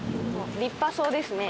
立派そうですね。